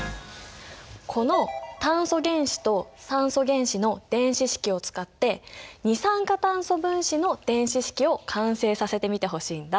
この炭素原子と酸素原子の電子式を使って二酸化炭素分子の電子式を完成させてみてほしいんだ。